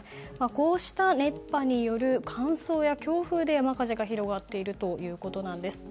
こうした熱波による乾燥や強風で山火事が広がっているということです。